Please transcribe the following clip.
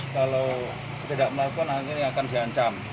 kalau tidak melakukan hal ini akan diancam